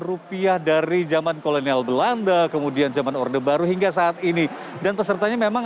rupiah dari zaman kolonial belanda kemudian zaman orde baru hingga saat ini dan pesertanya memang